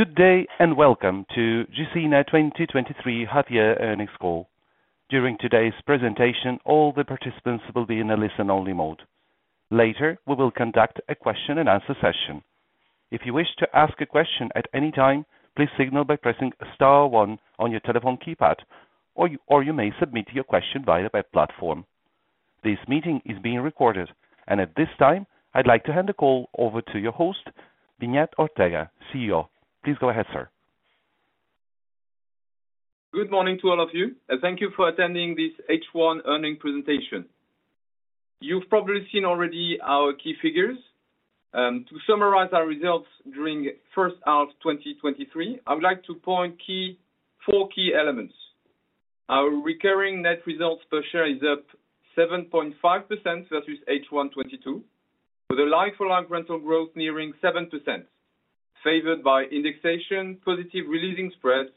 Good day, welcome to Gecina 2023 half year earnings call. During today's presentation, all the participants will be in a listen-only mode. Later, we will conduct a question-and-answer session. If you wish to ask a question at any time, please signal by pressing star one on your telephone keypad, or you may submit your question via the web platform. This meeting is being recorded, at this time, I'd like to hand the call over to your host, Beñat Ortega, CEO. Please go ahead, sir. Good morning to all of you, and thank you for attending this H1 earnings presentation. You've probably seen already our key figures. To summarize our results during first half of 2023, I would like to point four key elements. Our recurring net results per share is up 7.5% versus H1 2022, with a like-for-like rental growth nearing 7%, favored by indexation, positive re-leasing spreads,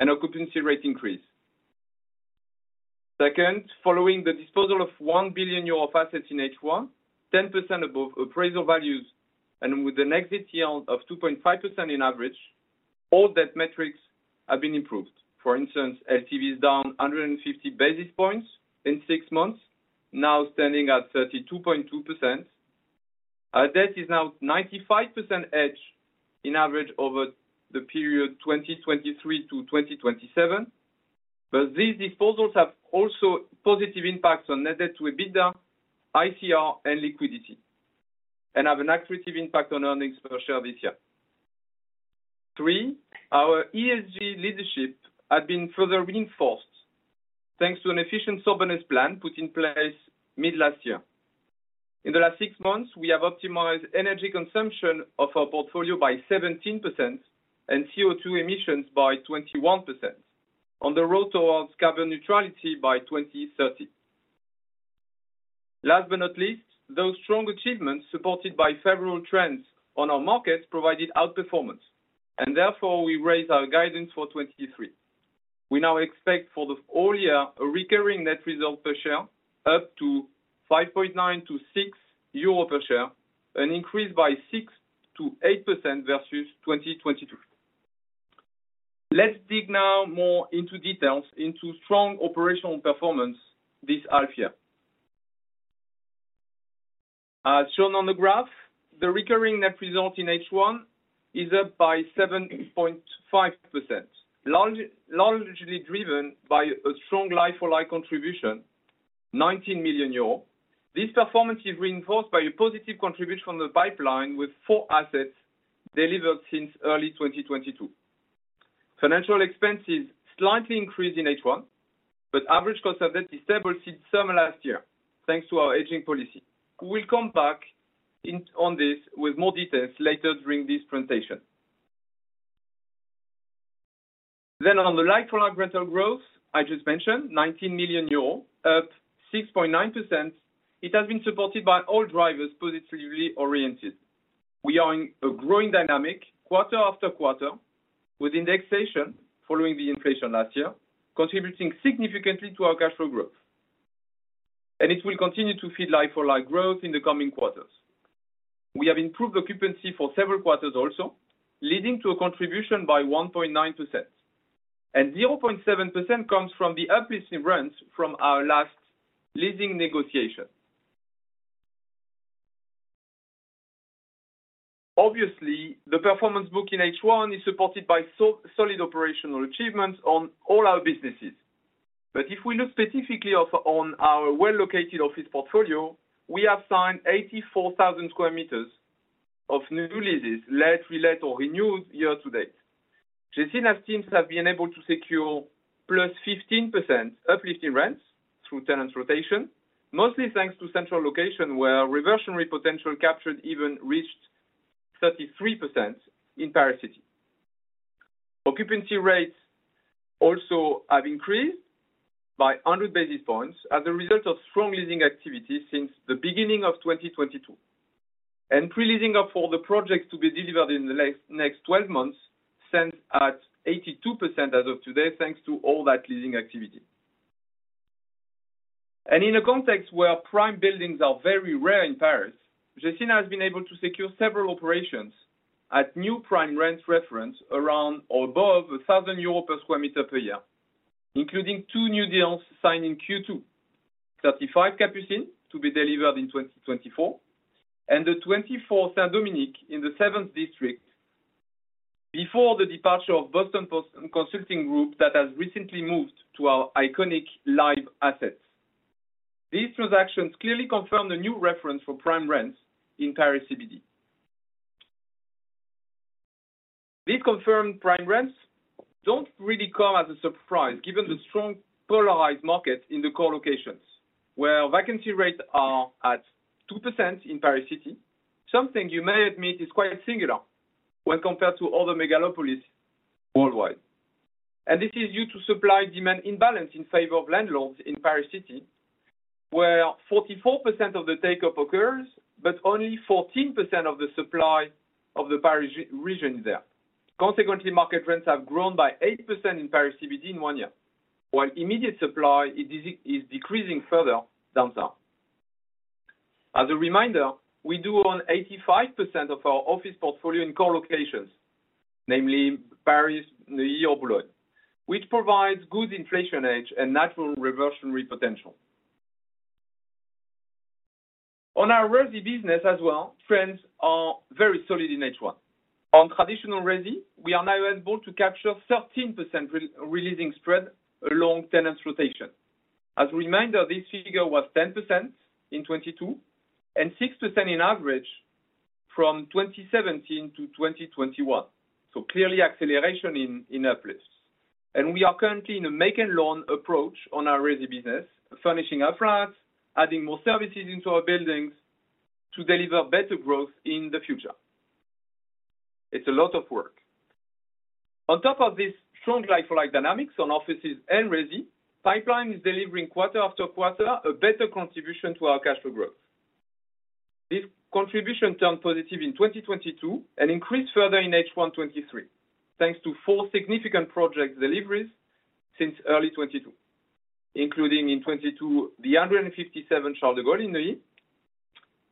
and occupancy rate increase. Second, following the disposal of 1 billion euro of assets in H1, 10% above appraisal values, and with an exit yield of 2.5% in average, all debt metrics have been improved. For instance, LTV is down 150 basis points in 6 months, now standing at 32.2%. Our debt is now 95% hedged in average over the period 2023-2027. These disposals have also positive impacts on net debt to EBITDA, ICR, and liquidity, and have an accretive impact on earnings per share this year. 3, our ESG leadership has been further reinforced, thanks to an efficient soberness plan put in place mid last year. In the last six months, we have optimized energy consumption of our portfolio by 17% and CO2 emissions by 21%, on the road towards carbon neutrality by 2030. Last but not least, those strong achievements, supported by several trends on our markets, provided outperformance, and therefore we raised our guidance for 2023. We now expect for the full year, a recurring net result per share, up to 5.9 to 6 euros per share, an increase by 6%-8% versus 2022. Let's dig now more into details into strong operational performance this half year. As shown on the graph, the recurring net result in H1 is up by 7.5%, largely driven by a strong like-for-like contribution, 19 million euros. This performance is reinforced by a positive contribution from the pipeline, with four assets delivered since early 2022. Financial expenses slightly increased in H1, but average cost of debt is stable since summer last year, thanks to our hedging policy. We'll come back in, on this with more details later during this presentation. On the like-for-like rental growth, I just mentioned, 19 million euros, up 6.9%, it has been supported by all drivers positively oriented. We are in a growing dynamic quarter after quarter, with indexation following the inflation last year, contributing significantly to our cash flow growth. It will continue to feed like-for-like growth in the coming quarters. We have improved occupancy for several quarters also, leading to a contribution by 1.9%, and 0.7% comes from the uplifting rents from our last leasing negotiation. Obviously, the performance book in H1 is supported by so-solid operational achievements on all our businesses. If we look specifically on our well-located office portfolio, we have signed 84,000 sq m of new leases, let, relet, or renewed year to date. Gecina teams have been able to secure +15% uplifting rents through tenants rotation, mostly thanks to central location, where reversionary potential captured even reached 33% in Paris City. Occupancy rates also have increased by 100 basis points as a result of strong leasing activity since the beginning of 2022. Pre-leasing of all the projects to be delivered in the next 12 months stands at 82% as of today, thanks to all that leasing activity. In a context where prime buildings are very rare in Paris, Gecina has been able to secure several operations at new prime rents reference around or above 1,000 euros per square meter per year, including 2 new deals signed in Q2: 35 Capucines, to be delivered in 2024, and the 24 Saint-Dominique in the 7th district before the departure of Boston Consulting Group that has recently moved to our iconic l1ve assets. These transactions clearly confirm the new reference for prime rents in Paris CBD. These confirmed prime rents don't really come as a surprise, given the strong polarized market in the core locations, where vacancy rates are at 2% in Paris City. Something you may admit is quite singular when compared to other megalopolis worldwide. This is due to supply-demand imbalance in favor of landlords in Paris City, where 44% of the take-up occurs, but only 14% of the supply of the Paris Region is there. Consequently, market rents have grown by 8% in Paris CBD in 1 year, while immediate supply is decreasing further downtown. As a reminder, we do own 85% of our office portfolio in core locations, namely Paris, Neuilly-sur-Seine, which provides good inflation edge and natural reversionary potential. On our resi business as well, trends are very solid in H1. On traditional resi, we are now able to capture 13% re-leasing spread along tenants rotation. As a reminder, this figure was 10% in 2022, and 6% in average from 2017 to 2021. Clearly acceleration in uplifts. We are currently in a make and loan approach on our resi business, furnishing upfront, adding more services into our buildings to deliver better growth in the future. It's a lot of work. On top of this strong like-for-like dynamics on offices and resi, pipeline is delivering quarter after quarter, a better contribution to our cash flow growth. This contribution turned positive in 2022 and increased further in H1 2023, thanks to four significant project deliveries since early 2022, including in 2022, the 157 Charles de Gaulle in Neuilly,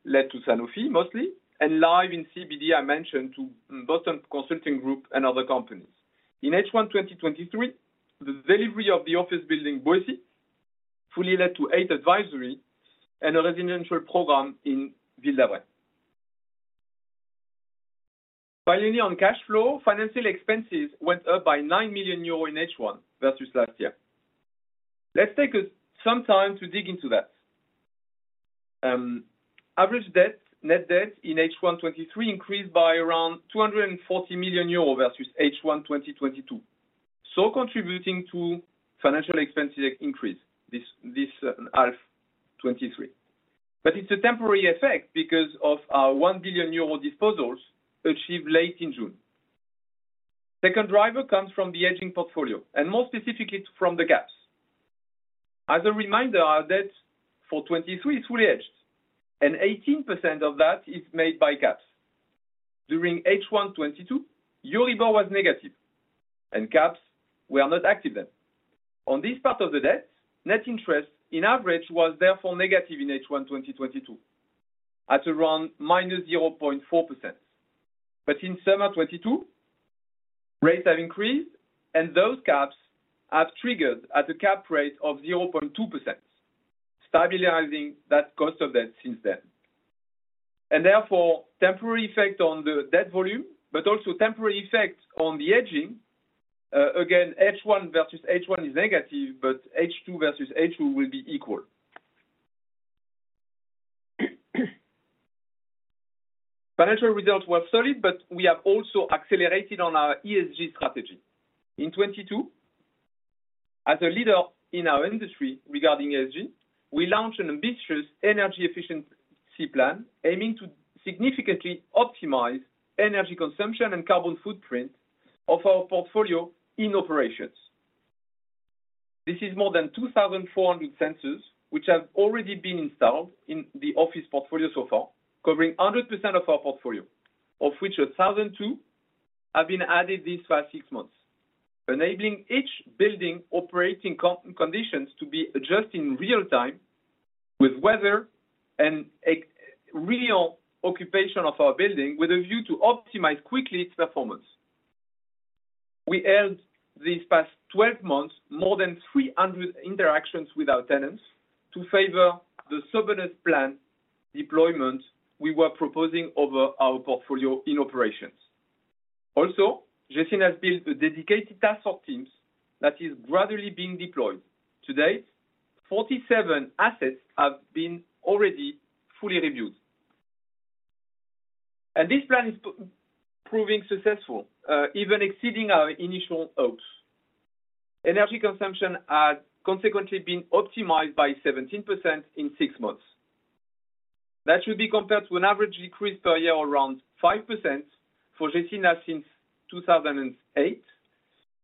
led to Sanofi, mostly, and l1ve in CBD, I mentioned, to Boston Consulting Group and other companies. In H1 2023, the delivery of the office building Boissy, fully led to Eight Advisory and a residential program in Villejuif. On cash flow, financial expenses went up by 9 million euros in H1 versus last year. Let's take some time to dig into that. Average debt, net debt in H1 2023 increased by around 240 million euros versus H1 2022, contributing to financial expenses increase, this half 2023. It's a temporary effect because of our 1 billion euro disposals achieved late in June. Second driver comes from the aging portfolio, and more specifically from the caps. As a reminder, our debt for 2023 is fully hedged, and 18% of that is made by caps. During H1 2022, Euribor was negative, and caps were not active then. On this part of the debt, net interest, in average, was therefore negative in H1 2022, at around -0.4%. In summer 2022, rates have increased, and those caps have triggered at a cap rate of 0.2%, stabilizing that cost of debt since then. Therefore, temporary effect on the debt volume, but also temporary effect on the edging. Again, H1 versus H1 is negative, but H2 versus H2 will be equal. Financial results were solid, but we have also accelerated on our ESG strategy. In 2022, as a leader in our industry regarding ESG, we launched an ambitious energy efficiency plan, aiming to significantly optimize energy consumption and carbon footprint of our portfolio in operations. This is more than 2,400 sensors, which have already been installed in the office portfolio so far, covering 100% of our portfolio, of which 1,002 have been added these 6 months, enabling each building operating conditions to be adjusted in real time with weather and a real occupation of our building with a view to optimize quickly its performance. We held these 12 months, more than 300 interactions with our tenants to favor the sobriety plan deployment we were proposing over our portfolio in operations. Also, Gecina has built a dedicated task force teams that is gradually being deployed. To date, 47 assets have been already fully reviewed. This plan is proving successful, even exceeding our initial hopes. Energy consumption has consequently been optimized by 17% in 6 months. That should be compared to an average decrease per year, around 5% for Gecina since 2008,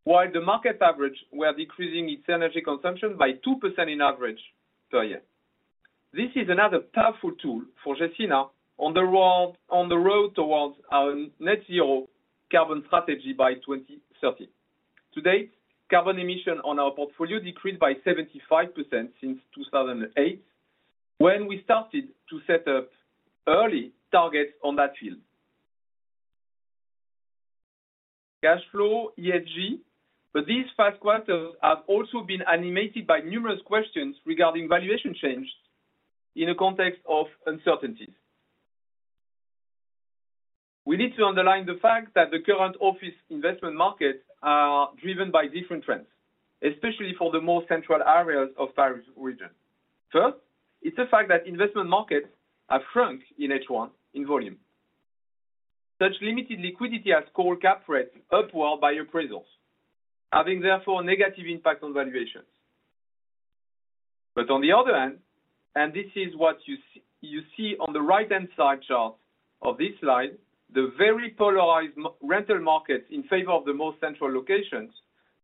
while the market average were decreasing its energy consumption by 2% in average per year. This is another powerful tool for Gecina on the road towards our net zero carbon strategy by 2030. To date, carbon emission on our portfolio decreased by 75% since 2008, when we started to set up early targets on that field. Cash flow, ESG. These first quarters have also been animated by numerous questions regarding valuation changes in a context of uncertainties. We need to underline the fact that the current office investment markets are driven by different trends, especially for the more central areas of Paris region. It's a fact that investment markets have shrunk in H1 in volume. Such limited liquidity has core cap rates upward by appraisals, having therefore, a negative impact on valuations. On the other hand, this is what you see on the right-hand side chart of this slide, the very polarized rental markets in favor of the more central locations,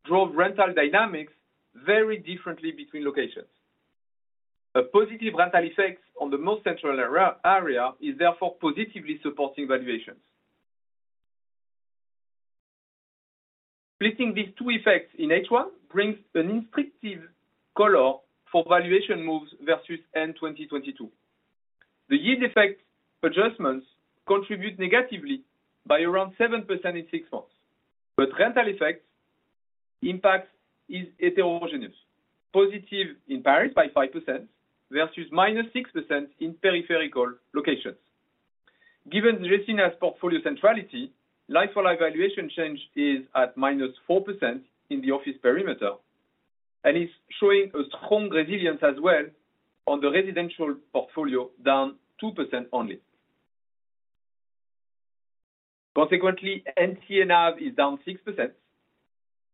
drove rental dynamics very differently between locations. A positive rental effect on the more central area is therefore positively supporting valuations. Placing these two effects in H1 brings an instructive color for valuation moves versus end-2022. The yield effect adjustments contribute negatively by around 7% in six months, rental effects impact is heterogeneous. Positive in Paris by 5% versus minus 6% in peripheral locations. Given Gecina's portfolio centrality, like-for-like valuation change is at minus 4% in the office perimeter, and is showing a strong resilience as well on the residential portfolio, down 2% only. Consequently, NCNAV is down 6%.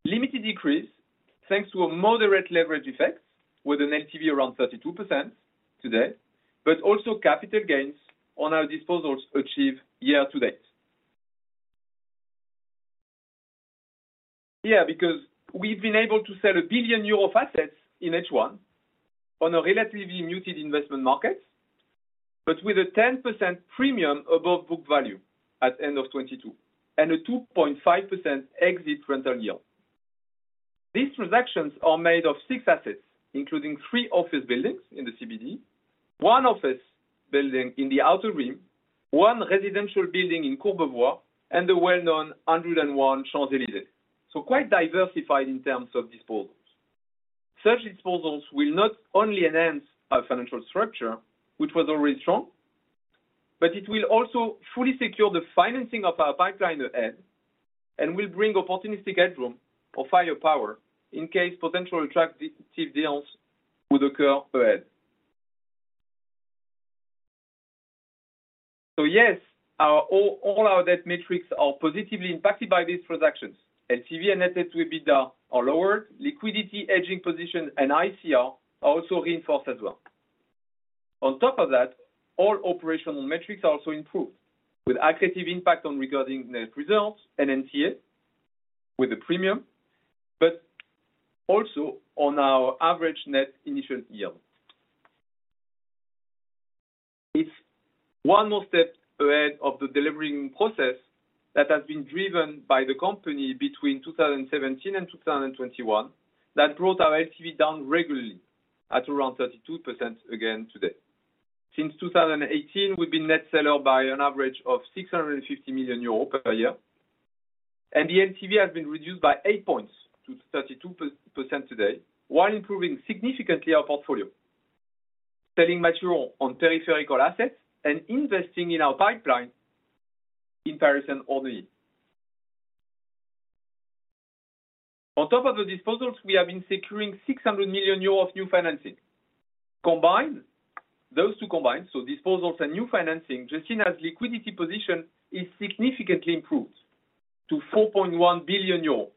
Limited decrease, thanks to a moderate leverage effect, with an LTV around 32% today, but also capital gains on our disposals achieved year-to-date. We've been able to sell 1 billion euro of assets in H1 on a relatively muted investment market, but with a 10% premium above book value at end of 2022, and a 2.5% exit rental yield. These transactions are made of 6 assets, including 3 office buildings in the CBD, 1 office building in the outer ring, 1 residential building in Courbevoie, and the well-known 101 Champs-Élysées. Quite diversified in terms of disposals. Such disposals will not only enhance our financial structure, which was already strong, but it will also fully secure the financing of our pipeline ahead, and will bring opportunistic headroom or firepower in case potential attractive deals would occur ahead. Yes, all our debt metrics are positively impacted by these transactions. LTV and net debt will be down or lower. Liquidity, hedging position, and ICR are also reinforced as well. On top of that, all operational metrics are also improved, with assistive impact on regarding net results and NTA with a premium, but also on our average net initial yield. It's one more step ahead of the delivering process that has been driven by the company between 2017 and 2021, that brought our LTV down regularly at around 32% again today. Since 2018, we've been net seller by an average of 650 million euros per year, and the LTV has been reduced by 8 points to 32% today, while improving significantly our portfolio. Selling mature on peripheral assets and investing in our pipeline in Paris and Orly. On top of the disposals, we have been securing 600 million euros of new financing. Combined, those two combined, so disposals and new financing, Gecina's liquidity position is significantly improved to 4.1 billion euros.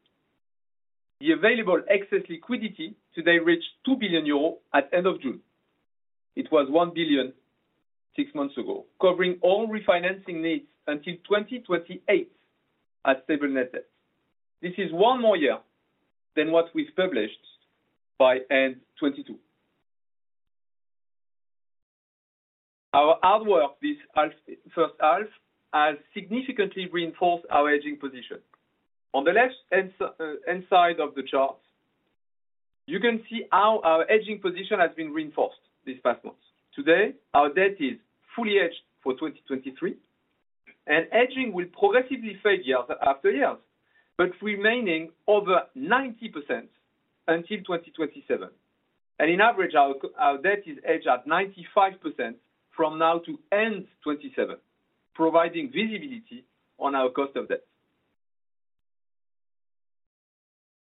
The available excess liquidity today reached 2 billion euros at end of June. It was 1 billion six months ago, covering all refinancing needs until 2028 at stable net debt. This is one more year than what we've published by end 2022. Our hard work this half, first half, has significantly reinforced our hedging position. On the left hand side of the chart, you can see how our hedging position has been reinforced these past months. Today, our debt is fully hedged for 2023, hedging will progressively fade year after year, but remaining over 90% until 2027. In average, our debt is hedged at 95% from now to end 2027, providing visibility on our cost of debt.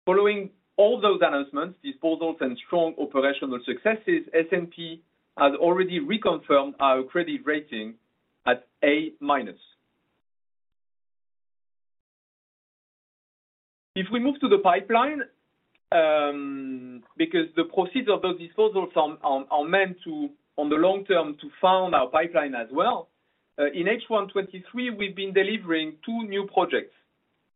Following all those announcements, disposals, and strong operational successes, S&P has already reconfirmed our credit rating at A-. If we move to the pipeline, because the proceeds of those disposals are meant to, on the long term, to fund our pipeline as well. In H1 2023, we've been delivering two new projects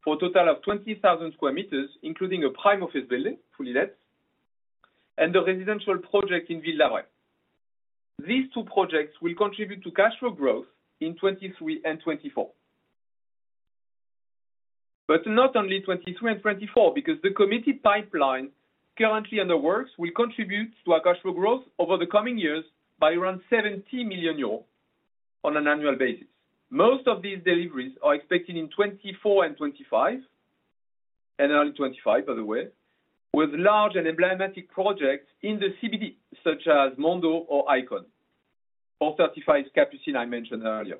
for a total of 20,000 square meters, including a prime office building, fully let, and a residential project in Ville-d'Avray. These two projects will contribute to cash flow growth in 2023 and 2024. Not only 2023 and 2024, because the committed pipeline currently under works, will contribute to our cash flow growth over the coming years by around 70 million euros on an annual basis. Most of these deliveries are expected in 2024 and 2025, and early 2025, by the way, with large and emblematic projects in the CBD, such as Mondo or Icon, or 35 Capucines I mentioned earlier.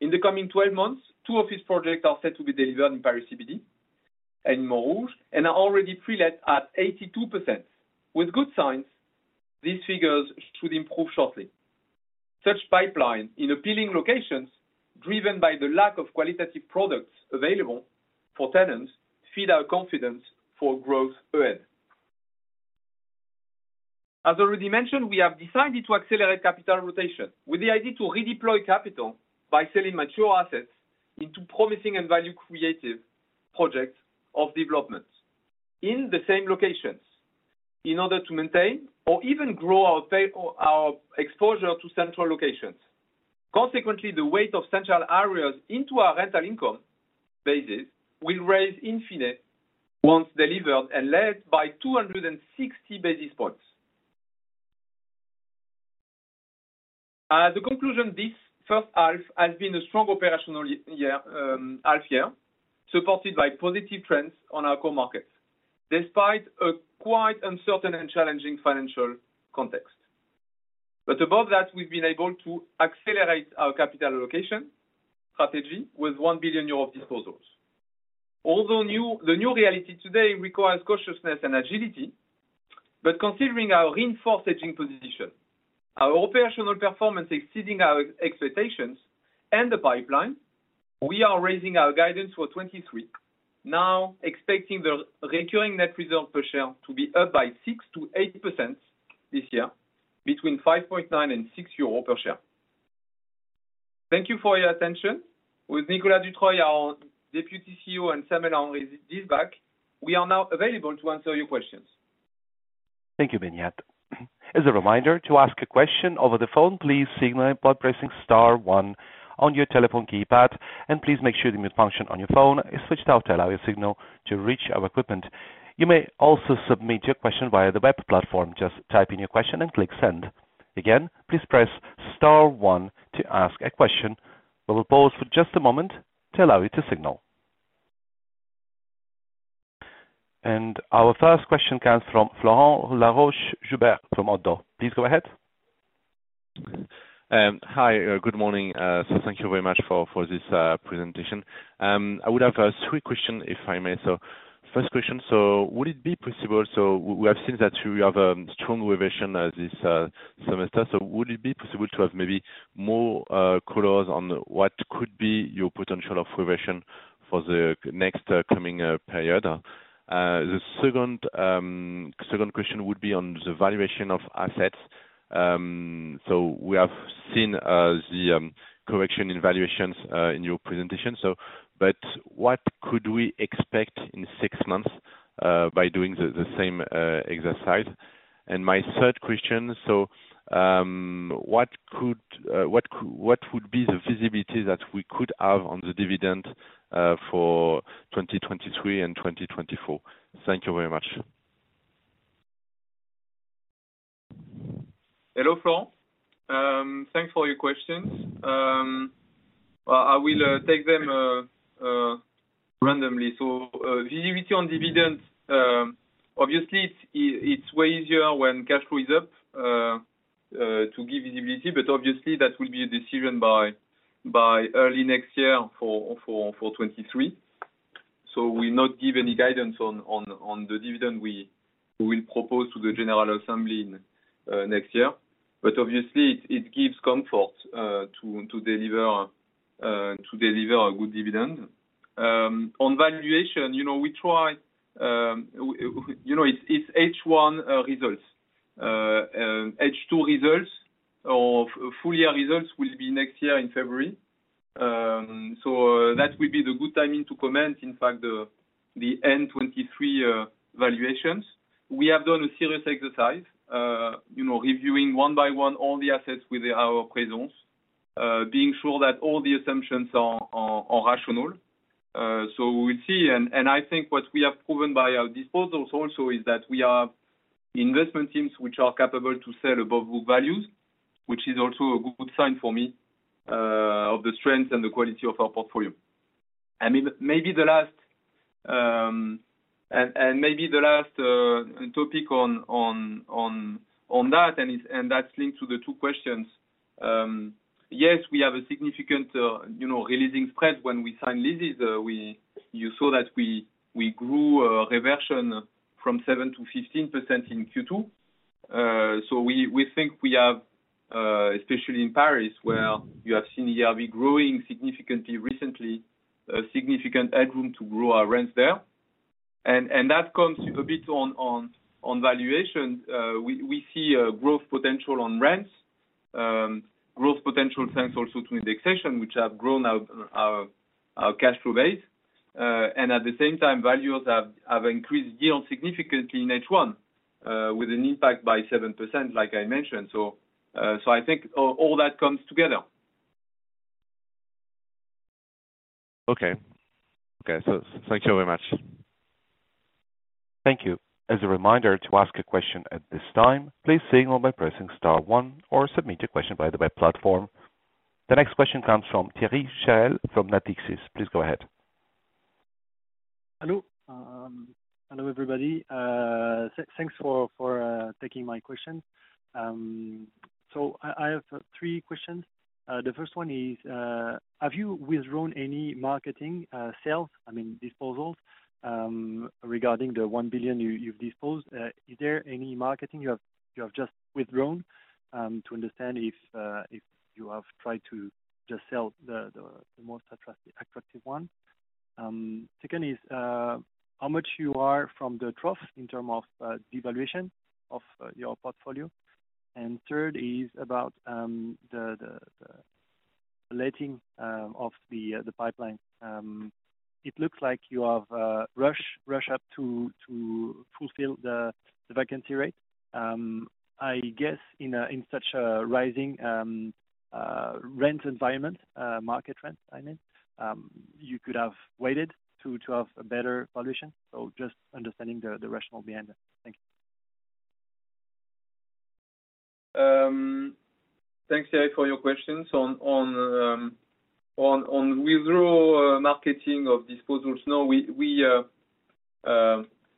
In the coming 12 months, two office projects are set to be delivered in Paris CBD and Moreau, and are already pre-let at 82%. With good signs, these figures should improve shortly. Such pipeline in appealing locations, driven by the lack of qualitative products available for tenants, feed our confidence for growth ahead. As already mentioned, we have decided to accelerate capital rotation with the idea to redeploy capital by selling mature assets into promising and value-creative projects of developments in the same locations. In order to maintain or even grow our pay or our exposure to central locations. The weight of central areas into our rental income basis will raise infinite once delivered and led by 260 basis points. The conclusion, this first half has been a strong operational half year, supported by positive trends on our core markets, despite a quite uncertain and challenging financial context. Above that, we've been able to accelerate our capital allocation strategy with 1 billion euro of disposals. Although new, the new reality today requires cautiousness and agility, but considering our reinforcing position, our operational performance exceeding our expectations and the pipeline, we are raising our guidance for 2023, now expecting the recurring net result per share to be up by 6% to 8% this year, between 5.9 and 6 euro per share. Thank you for your attention. Nicolas Dutreuil, our Deputy CEO, and Samuel Henry-Diesbach, is back, we are now available to answer your questions. Thank you, Beñat Ortega. As a reminder, to ask a question over the phone, please signal by pressing star one on your telephone keypad, and please make sure the mute function on your phone is switched off to allow your signal to reach our equipment. You may also submit your question via the web platform. Just type in your question and click Send. Again, please press star one to ask a question. We will pause for just a moment to allow you to signal. Our first question comes from Florent Laroche-Joubert from Oddo. Please go ahead. Hi, good morning. Thank you very much for this presentation. I would have three questions, if I may. First question, would it be possible, we have seen that you have strong revision as this semester. Would it be possible to have maybe more colors on what could be your potential of revision for the next coming period? The second question would be on the valuation of assets. We have seen the correction in valuations in your presentation, what could we expect in 6 months by doing the same exercise? My third question, what would be the visibility that we could have on the dividend for 2023 and 2024? Thank you very much. Hello, Florent. Thanks for your questions. I will take them randomly. Visibility on dividends, obviously, it's way easier when cash flow is up to give visibility, but obviously, that will be a decision by early next year for 2023. We'll not give any guidance on the dividend we will propose to the general assembly in next year. Obviously, it gives comfort to deliver a good dividend. On valuation, you know, we try, you know, it's H1 results. H2 results or full year results will be next year in February. That will be the good timing to comment, in fact, the end 2023 valuations. We have done a serious exercise, you know, reviewing one by one all the assets with our presence, being sure that all the assumptions are rational. We will see. I think what we have proven by our disposals also is that we are investment teams which are capable to sell above group values, which is also a good sign for me, of the strength and the quality of our portfolio. I mean, maybe the last, and maybe the last topic on that, and that's linked to the 2 questions. Yes, we have a significant, you know, re-leasing spread when we sign leases. You saw that we grew reversion from 7%-15% in Q2. We think we have, especially in Paris, where you have seen ERV growing significantly recently, a significant headroom to grow our rents there. That comes a bit on valuation. We see a growth potential on rents, growth potential, thanks also to indexation, which have grown our cash flow base. At the same time, values have increased yield significantly in H1, with an impact by 7%, like I mentioned. I think all that comes together. Okay. Okay, thank you very much. Thank you. As a reminder, to ask a question at this time, please signal by pressing star one, or submit your question by the web platform. The next question comes from Thierry Cherel from Natixis. Please go ahead. Hello, everybody. Thanks for taking my question. I have three questions. The first one is, have you withdrawn any marketing, sales, I mean, disposals, regarding the 1 billion you've disposed? Is there any marketing you have just withdrawn to understand if you have tried to just sell the most attractive one? Second is, how much you are from the trough in term of the valuation of your portfolio. Third is about the letting of the pipeline. It looks like you have rush up to fulfill the vacancy rate. I guess in such a rising rent environment, market rent, I mean, you could have waited to have a better valuation. Just understanding the rationale behind that. Thank you. Thanks, Thierry, for your questions. On withdraw, marketing of disposals, no,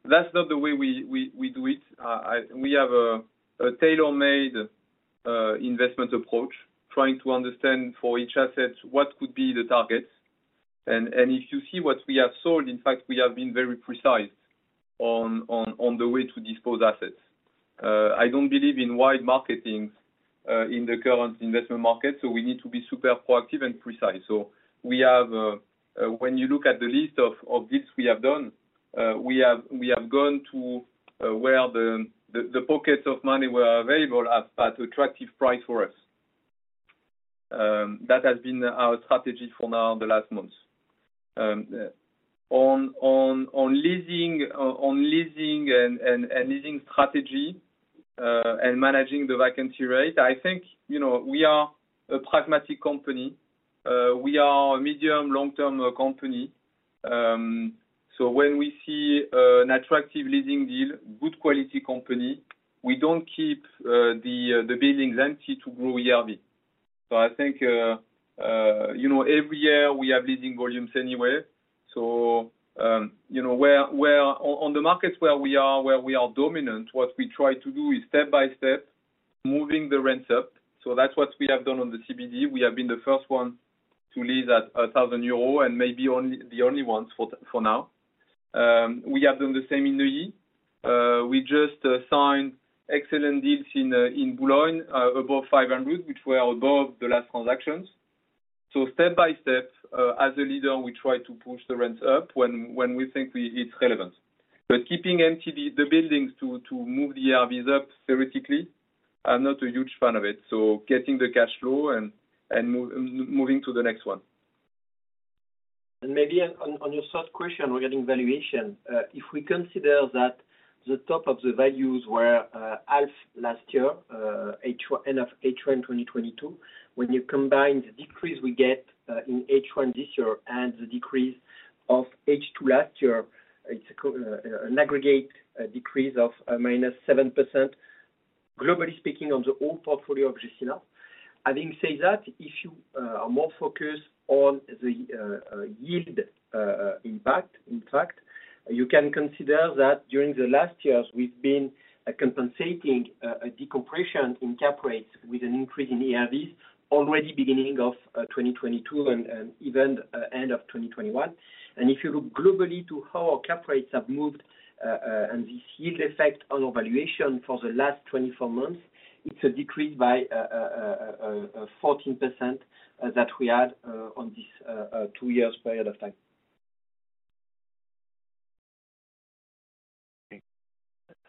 that's not the way we do it. We have a tailor-made investment approach, trying to understand for each asset, what could be the targets. If you see what we have sold, in fact, we have been very precise on the way to dispose assets. I don't believe in wide marketings in the current investment market, we need to be super proactive and precise. We have, when you look at the list of deals we have done, we have gone to where the pockets of money were available at attractive price for us. That has been our strategy for now, the last months. asing and leasing strategy, and managing the vacancy rate, I think, you know, we are a pragmatic company. We are a medium, long-term company. So when we see an attractive leasing deal, good quality company, we don't keep the buildings empty to grow ERV. So I think, you know, every year we have leasing volumes anyway. So, you know, where, on the markets where we are, where we are dominant, what we try to do is step by step, moving the rents up. So that's what we have done on the CBD. We have been the first one to lease at 1,000 euro and maybe only, the only ones for now. We have done the same in Neuilly. We just signed excellent deals in Boulogne above 500, which were above the last transactions. Step by step, as a leader, we try to push the rents up when we think it's relevant. Keeping empty the buildings to move the ERVs up theoretically, I'm not a huge fan of it. Getting the cash flow and moving to the next one. Maybe on your first question regarding valuation, if we consider that the top of the values were half last year, H1, end of H1, 2022, when you combine the decrease we get in H1 this year and the decrease of H2 last year, it's an aggregate decrease of minus 7%, globally speaking, on the whole portfolio of Gecina. Having said that, if you are more focused on the yield impact, in fact, you can consider that during the last years, we've been compensating a decompression in cap rates with an increase in ERVs, already beginning of 2022 and even end of 2021. If you look globally to how our cap rates have moved, and this yield effect on our valuation for the last 24 months, it's a decrease by 14% that we had on this two-year period.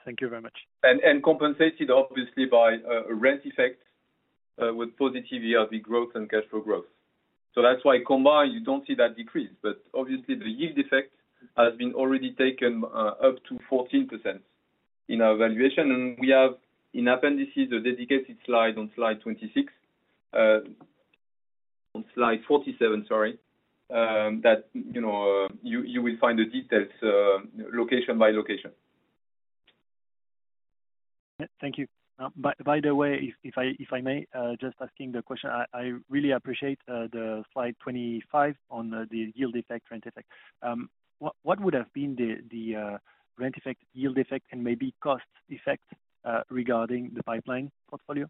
Thank you very much. Compensated obviously by a rent effect with positive ERV growth and cash flow growth. That's why combined, you don't see that decrease, but obviously the yield effect has been already taken, up to 14% in our valuation, and we have in appendix, a dedicated slide on slide 26, on slide 47, sorry, that, you know, you will find the details, location by location. Thank you. By the way, if I may, just asking the question, I really appreciate the slide 25 on the yield effect, rent effect. What would have been the rent effect, yield effect, and maybe cost effect regarding the pipeline portfolio?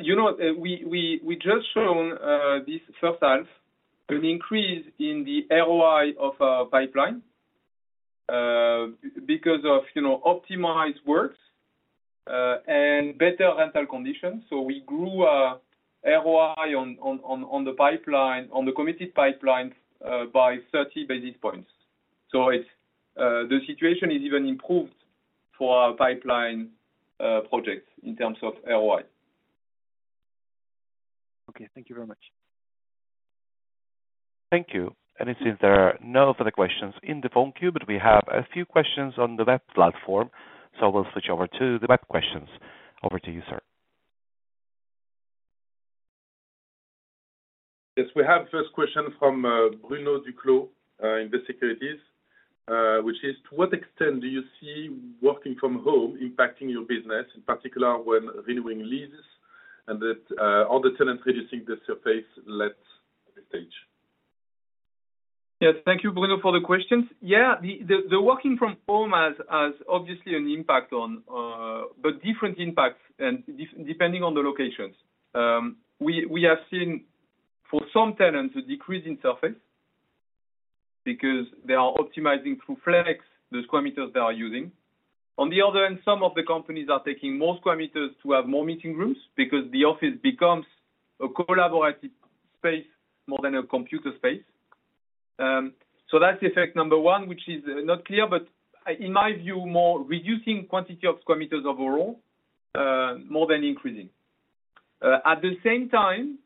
You know, we just shown this first half an increase in the ROI of our pipeline because of, you know, optimized works and better rental conditions. We grew our ROI on the pipeline, on the committed pipeline, by 30 basis points. The situation is even improved for our pipeline projects in terms of ROI. Okay. Thank you very much. Thank you. It seems there are no further questions in the phone queue, but we have a few questions on the web platform, so we'll switch over to the web questions. Over to you, sir. We have first question from Bruno Duclos, Invest Securities, which is: To what extent do you see working from home impacting your business, in particular when renewing leases and that all the tenants reducing the surface let stage? Yes. Thank you, Bruno, for the questions. Yeah, the working from home has obviously an impact on different impacts depending on the locations. We have seen for some tenants a decrease in surface because they are optimizing through flex, the square meters they are using. On the other hand, some of the companies are taking more square meters to have more meeting rooms because the office becomes a collaborative space more than a computer space. That's effect number one, which is not clear, in my view, more reducing quantity of commuters overall more than increasing. At the same time,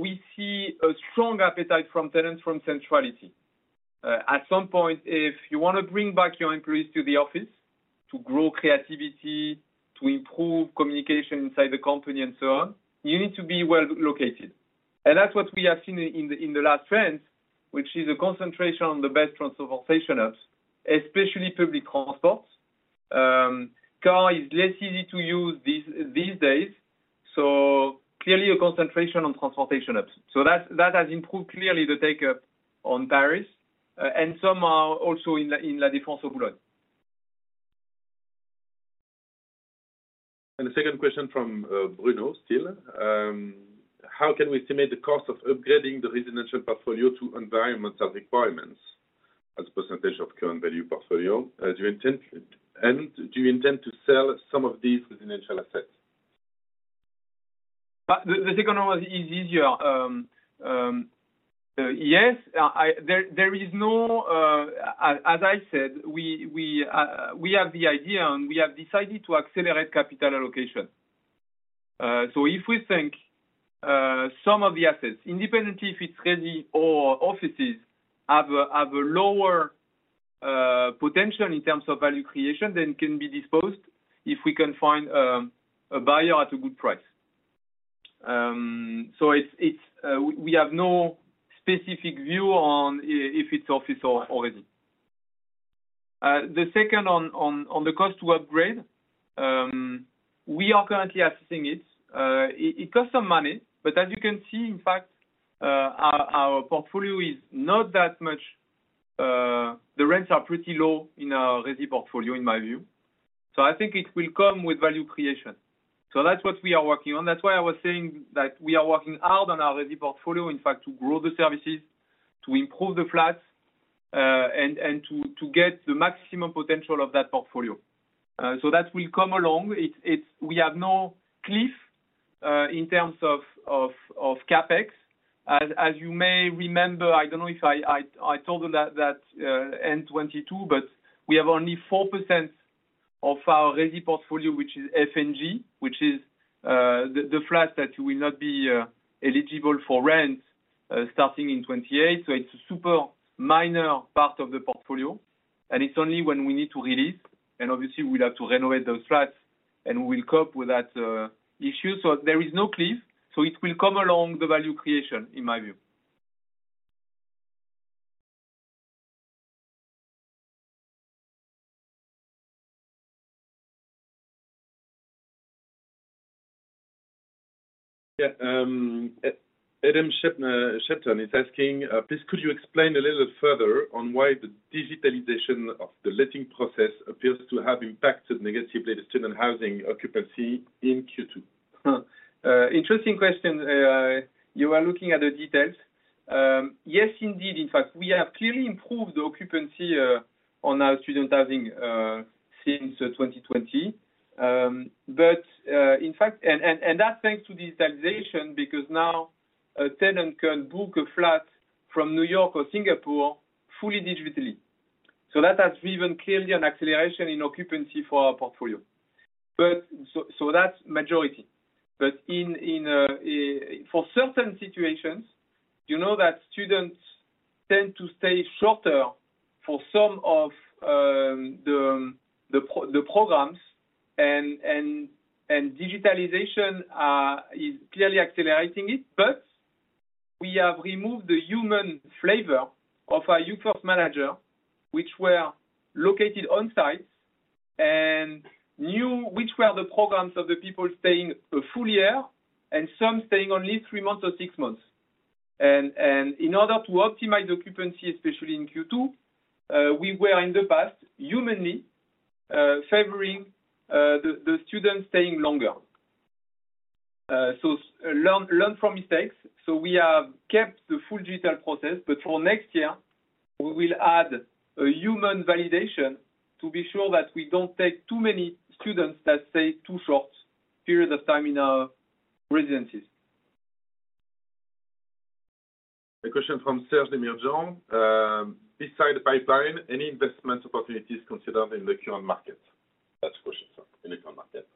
we see a strong appetite from tenants from centrality. At some point, if you want to bring back your employees to the office to grow creativity, to improve communication inside the company, and so on, you need to be well located. That's what we have seen in the last trends, which is a concentration on the best transportation hubs, especially public transport. Car is less easy to use these days, clearly a concentration on transportation hubs. That has improved clearly the take-up on Paris, and some are also in La Défense as well. The second question from Bruno still: How can we estimate the cost of upgrading the residential portfolio to environmental requirements as a % of current value portfolio? Do you intend to sell some of these residential assets? The second one is easier. Yes, there is no. As I said, we have the idea, and we have decided to accelerate capital allocation. If we think, some of the assets, independently, if it's resi or offices, have a lower potential in terms of value creation, then can be disposed, if we can find a buyer at a good price. It's, we have no specific view on if it's office or resi. The second on the cost to upgrade, we are currently assessing it. It costs some money, but as you can see, in fact, our portfolio is not that much. The rents are pretty low in our resi portfolio, in my view. I think it will come with value creation. That's what we are working on. That's why I was saying that we are working hard on our resi portfolio, in fact, to grow the services, to improve the flats, and to get the maximum potential of that portfolio. That will come along. We have no cliff in terms of CapEx. As you may remember, I don't know if I told you that end 2022, we have only 4% of our resi portfolio, which is F and G, which is the flats that will not be eligible for rent starting in 2028. It's a super minor part of the portfolio, and it's only when we need to release, and obviously, we'll have to renovate those flats, and we'll cope with that issue. There is no cliff, it will come along the value creation, in my view. Chip Tan is asking: Please, could you explain a little further on why the digitalization of the letting process appears to have impacted negatively the student housing occupancy in Q2? Interesting question. You are looking at the details. Yes, indeed. In fact, we have clearly improved the occupancy on our student housing since 2020. In fact, that's thanks to digitalization, because now a tenant can book a flat from New York or Singapore fully digitally. That has driven clearly an acceleration in occupancy for our portfolio. That's majority. In for certain situations, you know that students tend to stay shorter for some of the programs, and digitalization is clearly accelerating it. We have removed the human flavor of our youth host manager, which were located on site and knew which were the programs of the people staying a full year, and some staying only 3 months or 6 months. In order to optimize occupancy, especially in Q2, we were, in the past, humanly, favoring the students staying longer. Learn from mistakes, so we have kept the full digital process, but for next year, we will add a human validation to be sure that we don't take too many students that stay too short period of time in our residencies. A question from Serge Demirdjian: beside the pipeline, any investment opportunities considered in the current market? That's the question, sir, in the current market.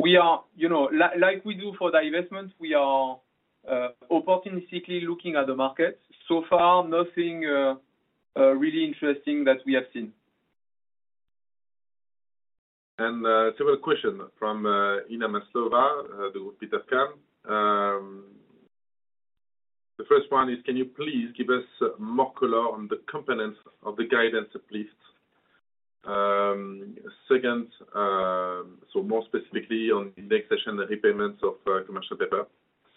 We are, you know, like we do for the investments, we are opportunistically looking at the market. So far, nothing really interesting that we have seen. Several question from Ina Masova, Degroof Petercam. The first one is: Can you please give us more color on the components of the guidance uplift? Second, more specifically on indexation and repayments of commercial paper.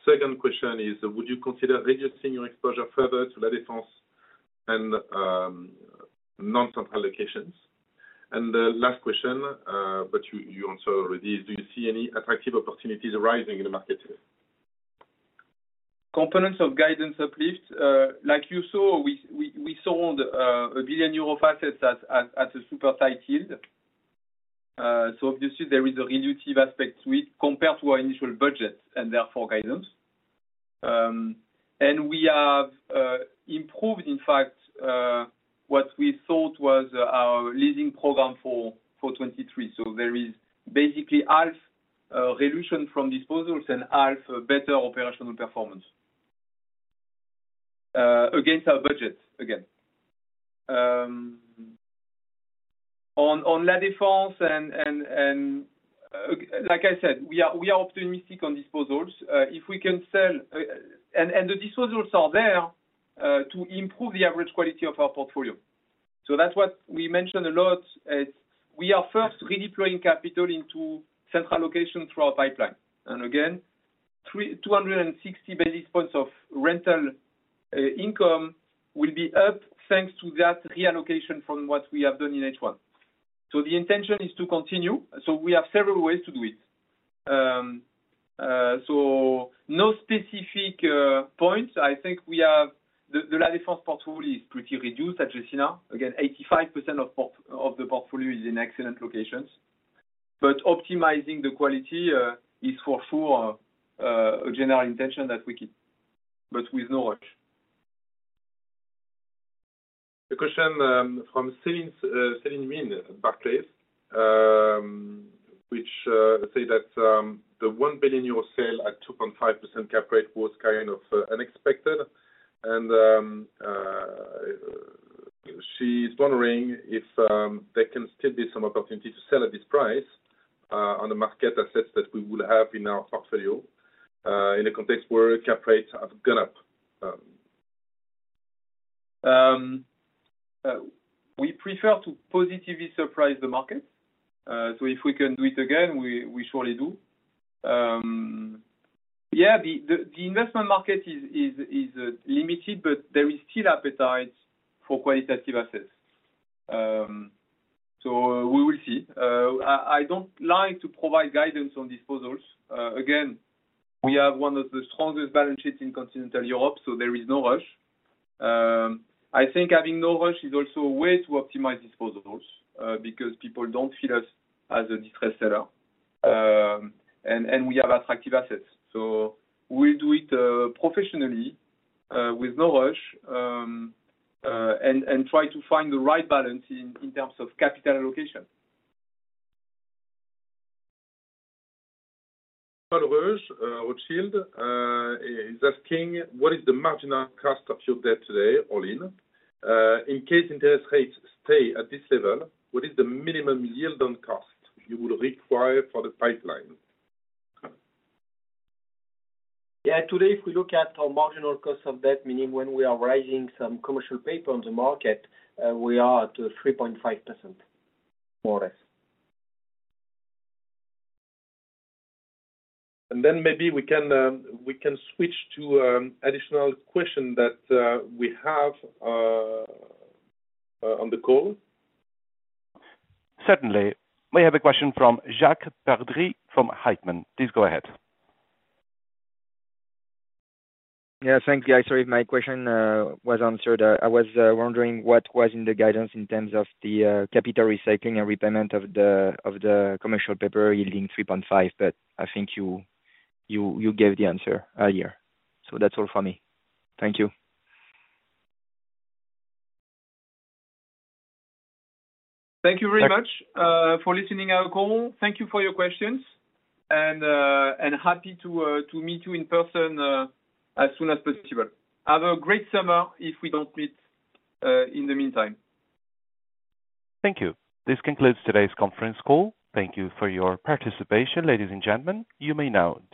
Second question is: Would you consider reducing your exposure further to La Défense and non-fund allocations? The last question, but you answered already: Do you see any attractive opportunities arising in the market today? Components of guidance uplift, like you saw, we sold 1 billion euro of assets at a super tight yield. Obviously, there is a relative aspect with compared to our initial budgets and therefore guidance. We have improved, in fact, what we thought was our leasing program for 2023. There is basically half reduction from disposals and half better operational performance against our budgets, again. On La Défense and, like I said, we are optimistic on disposals. If we can sell. The disposals are there to improve the average quality of our portfolio. That's what we mentioned a lot, is we are first redeploying capital into central location through our pipeline. Again, 260 basis points of rental income will be up, thanks to that reallocation from what we have done in H1. The intention is to continue, so we have several ways to do it. No specific points. I think we have the La Défense portfolio is pretty reduced as you see now. Again, 85% of the portfolio is in excellent locations. Optimizing the quality is for sure a general intention that we keep, but with no rush. A question from Celine Huynh, Barclays, which say that the 1 billion euro sale at 2.5% cap rate was kind of unexpected, and she's wondering if there can still be some opportunity to sell at this price on the market assets that we would have in our portfolio in a context where cap rates have gone up. We prefer to positively surprise the market. If we can do it again, we surely do. The investment market is limited, but there is still appetite for qualitative assets. We will see. I don't like to provide guidance on disposals. We have one of the strongest balance sheets in continental Europe, so there is no rush. I think having no rush is also a way to optimize disposals, because people don't see us as a distressed seller, and we have attractive assets. We do it professionally, with no rush, and try to find the right balance in terms of capital allocation. Paul Roques, Rothschild, is asking: What is the marginal cost of your debt today, all in? In case interest rates stay at this level, what is the minimum yield on cost you would require for the pipeline? Yeah, today, if we look at our marginal cost of debt, meaning when we are raising some commercial paper on the market, we are at 3.5%, more or less. Maybe we can switch to additional question that we have on the call. Certainly. We have a question from Jacques Perdriel from Heitman. Please go ahead. Thanks, guys. Sorry, my question was answered. I was wondering what was in the guidance in terms of the capital recycling and repayment of the commercial paper yielding 3.5%, but I think you gave the answer earlier. That's all for me. Thank you. Thank you very much for listening to our call. Thank you for your questions, and happy to meet you in person as soon as possible. Have a great summer if we don't meet in the meantime. Thank you. This concludes today's conference call. Thank you for your participation, ladies and gentlemen. You may now disconnect.